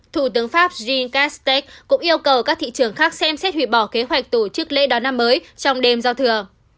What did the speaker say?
thủ tướng pháp jian caste cũng yêu cầu các thị trường khác xem xét hủy bỏ kế hoạch tổ chức lễ đón năm mới trong đêm giao thừa